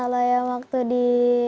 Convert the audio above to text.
kalau yang waktu di